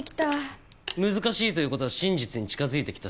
難しいという事は真実に近づいてきた証拠だ。